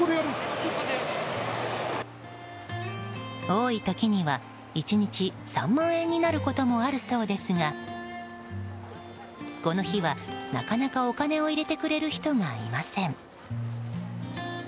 多い時には、１日３万円になることもあるそうですがこの日は、なかなかお金を入れてくれる人がいません。